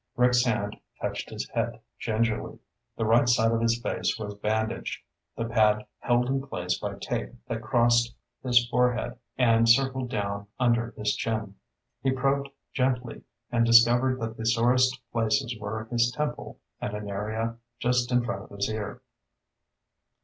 Rick's hand touched his head gingerly. The right side of his face was bandaged, the pad held in place by tape that crossed his forehead and circled down under his chin. He probed gently and discovered that the sorest places were his temple and an area just in front of his ear.